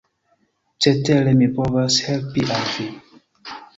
Cetere mi povas helpi al vi.